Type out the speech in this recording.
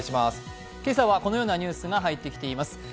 今朝はこのようなニュースが入ってきています。